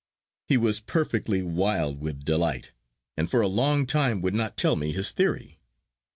He was perfectly wild with delight, and for a long time would not tell me his theory.